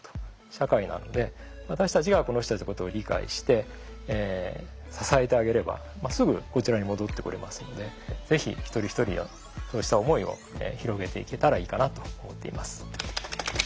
社会なので私たちがこの人たちのことを理解して支えてあげればすぐこちらに戻ってこれますのでぜひ一人一人のそうした思いを広げていけたらいいかなと思っています。